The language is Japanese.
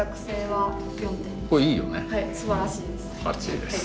はいすばらしいです。